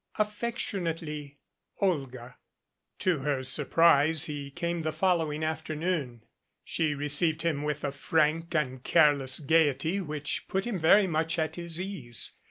Affectionately, OLGA. To her surprise, he came the following afternoon. She received him with a frank and careless gayety which put him very much at his ease.